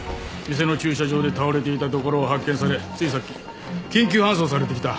店の駐車場で倒れていたところを発見されついさっき緊急搬送されてきた。